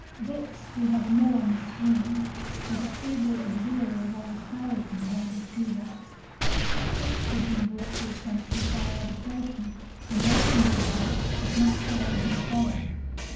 Dix, who had a mill on the stream, was a feeble auxiliary of Old Harry compared with Pivart. Dix had been brought to his senses by arbitration, and Wakem's advice had not carried him far.